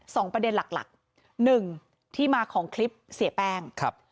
สองประเด็นหลักหลักหนึ่งที่มาของคลิปเสียแป้งครับ